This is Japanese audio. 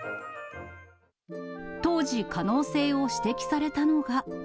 当時、可能性を指摘されたのが。